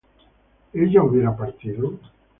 ¿ella hubiera partido?